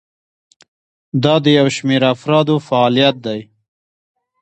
دا د یو شمیر افرادو فعالیت دی.